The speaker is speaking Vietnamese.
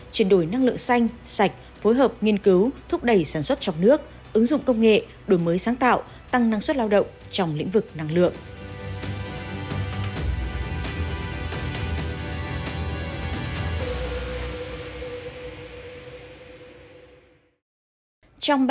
chuyển đổi năng lượng xanh sạch phối hợp nghiên cứu thúc đẩy sản xuất trong nước ứng dụng công nghệ đổi mới sáng tạo tăng năng suất lao động trong lĩnh vực năng lượng